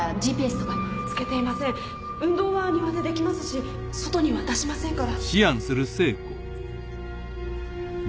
運動は庭でできますし外には出しませんから。